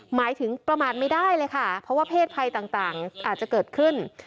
หมายถึงประมาทไม่ได้เลยค่ะเพราะว่าเพศภัยต่างอาจจะเกิดขึ้น